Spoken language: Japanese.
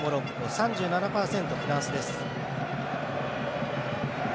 ３７％、フランスです。